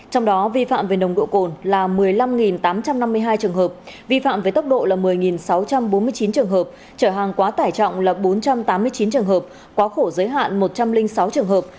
trong đó vi phạm về nồng độ cồn là một mươi năm tám trăm năm mươi hai trường hợp vi phạm về tốc độ là một mươi sáu trăm bốn mươi chín trường hợp trở hàng quá tải trọng là bốn trăm tám mươi chín trường hợp quá khổ giới hạn một trăm linh sáu trường hợp